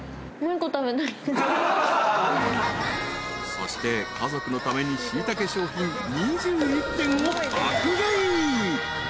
［そして家族のためにしいたけ商品２１点を爆買い］